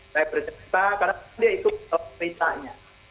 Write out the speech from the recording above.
saya bercerita karena dia ikut ceritanya